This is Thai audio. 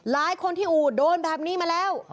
หลายคนที่อู่โดนแบบนี้มาแล้ว